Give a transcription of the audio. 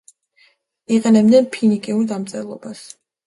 იყენებდნენ ფინიკიურ დამწერლობას.